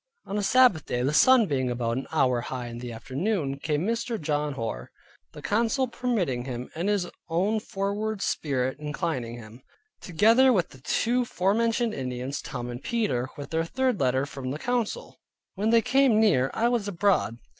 On a Sabbath day, the sun being about an hour high in the afternoon, came Mr. John Hoar (the council permitting him, and his own foreward spirit inclining him), together with the two forementioned Indians, Tom and Peter, with their third letter from the council. When they came near, I was abroad.